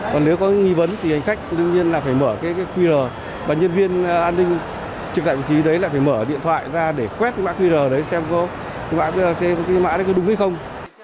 còn nếu có nghi vấn thì hành khách đương nhiên là phải mở cái qr và nhân viên an ninh trực tại vị trí đấy là phải mở điện thoại ra để quét cái mã qr đấy xem có mã thêm cái mã đấy có đúng hay không